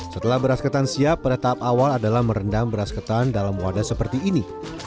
setelah beras ketan siap pada tahap awal adalah merendam beras ketan dalam wadah seperti ini